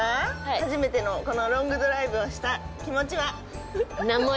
初めてのこのロングドライブをした気持ちは。